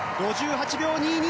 ５８秒２２。